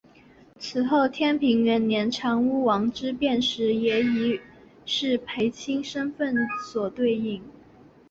此后天平元年长屋王之变时也以式部卿身份所对应。